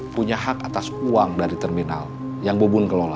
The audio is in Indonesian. punya hak atas uang dari terminal yang bubun kelola